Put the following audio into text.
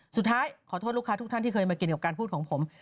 สุดท้ายขอโทษลูกค้าทุกท่านที่เคยมาเกี่ยวกับการพูดของผม